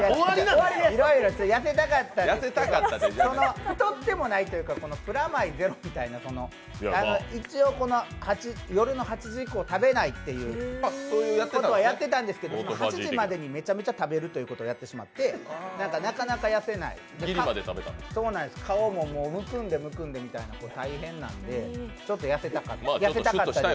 太ってもないというか、プラマイゼロみたいな、一応、夜の８時以降食べないっていうことをやってたんですけど、８時までにめちゃめちゃ食べるということをやってしまってなかなか痩せない、顔もむくんで、むくんで大変なんで、ちょっと痩せたかったです。